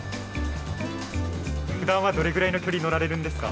ふだんはどれぐらいの距離乗られるんですか？